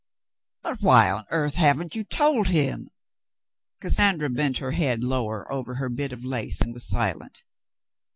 "But why on earth haven't you told him V* Cassandra bent her head lower over her bit of lace and was silent.